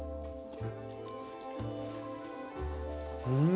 うん！